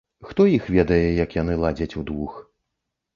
Хто іх ведае, як яны ладзяць удвух.